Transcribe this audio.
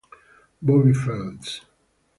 Bobby Fields